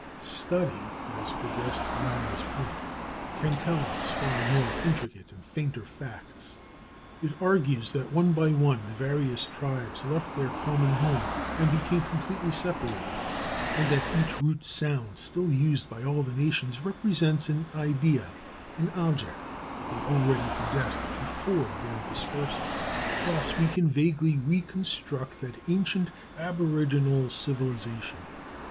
Study has progressed beyond this point, can tell us far more intricate and fainter facts. It argues that one by one the various tribes left their common home and became completely separated; and that each root sound still used by all the nations represents an idea, an object, they already possessed before their dispersal. Thus we can vaguely reconstruct that ancient, aboriginal civilization.